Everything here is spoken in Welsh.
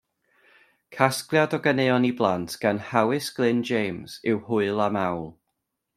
Casgliad o ganeuon i blant gan Hawys Glyn James yw Hwyl a Mawl.